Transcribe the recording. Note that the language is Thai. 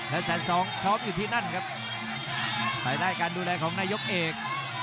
และแสนสองซ้อมอยู่ที่นั่นครับภายใต้การดูแลของนายกเอก